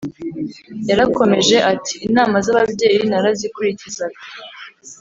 yarakomeje ati: “inama zababyeyi narazikurikizaga